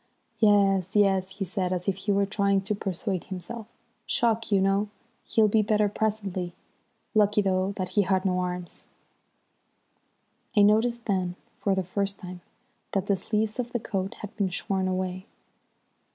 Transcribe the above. "Yes, yes," he said, as if he were trying to persuade himself. "Shock, you know. He'll be better presently. Lucky, though, that he had no arms." I noticed then, for the first time, that the sleeves of the coat had been shorn away.